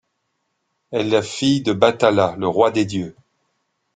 Elle est la fille de Bathala, le roi des dieux.